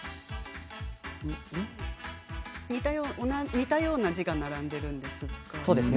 似たような字が並んでいますね。